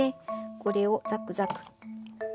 これをザクザク。